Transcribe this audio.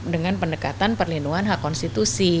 dengan pendekatan perlindungan hak konstitusi